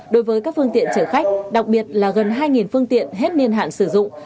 đối với các phương tiện chở khách đặc biệt là gần hai phương tiện hết niên hạn sử dụng